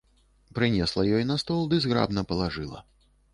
Прынесла ёй на стол ды зграбна палажыла.